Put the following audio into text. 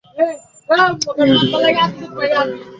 ইনি এখানকার একজন মুরুব্বী ডাক্তার।